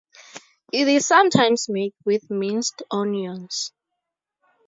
It is sometimes made with minced onions.